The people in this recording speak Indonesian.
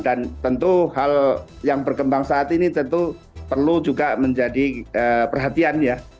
dan tentu hal yang berkembang saat ini tentu perlu juga menjadi perhatian ya